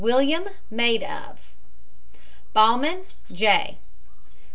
WILLIAM, maid of. BAHMANN, J.